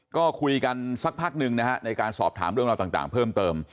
ก็คุยกันสักพักหนึ่งนะฮะในการสอบถามเรื่องราวต่างเพิ่มเติม